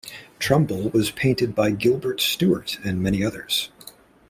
Trumbull was painted by Gilbert Stuart and many others.